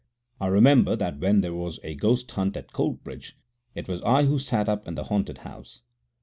I remember that when there was a ghost hunt at Coltbridge it was I who sat up in the haunted house.